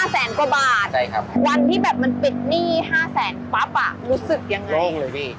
๕แสนกว่าบาทวันที่แบบมันเป็นการปิดหนี้๕แสนปั๊บอ่ะรู้สึกอย่างไง